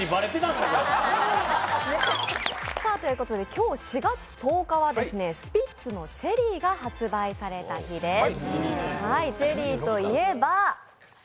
今日４月１０日はスピッツの「チェリー」が発売された日です。